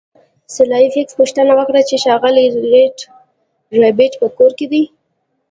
سلای فاکس پوښتنه وکړه چې ښاغلی ربیټ په کور کې دی